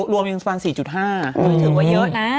รวมยังสมัคร๔๕ถึงว่าเยอะนะ